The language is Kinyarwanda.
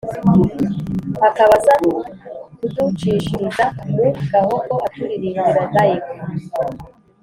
akaba aza kuducishiriza mu gahogo aturirimbira live